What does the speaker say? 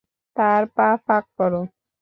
তার পা ফাঁক করো।